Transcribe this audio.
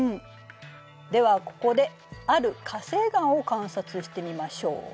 ではここである火成岩を観察してみましょう。